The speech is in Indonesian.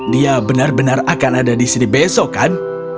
dia benar benar akan ada di sini besok kan